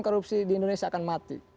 korupsi di indonesia akan mati